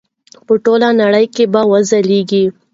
په ټوله نړۍ کې به وځلیږي.